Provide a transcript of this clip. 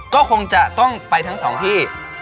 ก็คงจะต้องไปทั้งสองที่